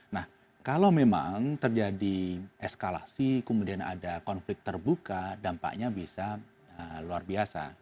nah kalau memang terjadi eskalasi kemudian ada konflik terbuka dampaknya bisa luar biasa